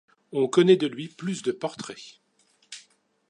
On connaît de lui plus de portraits.